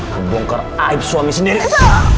kebongkar aib suami sendiri